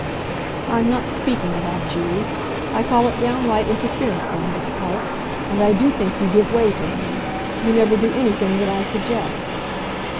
"I'm not speaking about you. I call it downright interference on his part. And I do think you give way to him. You never do anything that I suggest."